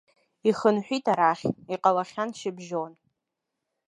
Ихынҳәит арахь, иҟалахьан шьыбжьон.